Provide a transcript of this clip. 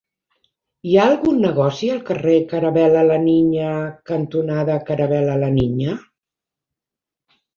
Hi ha algun negoci al carrer Caravel·la La Niña cantonada Caravel·la La Niña?